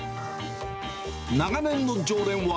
長年の常連は。